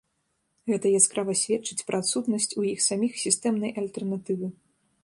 Гэта яскрава сведчыць пра адсутнасць у іх саміх сістэмнай альтэрнатывы.